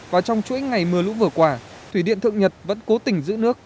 và trong chuỗi ngày mưa lũ vừa qua thủy điện thượng nhật vẫn cố tình giữ nước